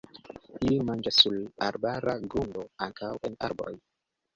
Ii manĝas sur arbara grundo, ankaŭ en arboj.